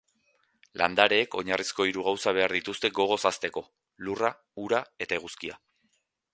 Landareek oinarrizko hiru gauza behar dituzte gogoz hazteko: lurra, ura eta eguzkia.